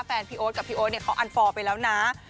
แฟนพี่โอ๊ตกับพี่โอ๊ตเนี่ยเขาอันฟอล์ไปแล้วนะ